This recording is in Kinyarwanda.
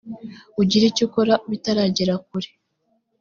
ugire icyo ukora bitaragera kure